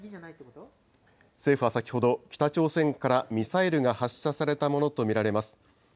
政府は先ほど、北朝鮮からミサイルが発射されたとものと見られます。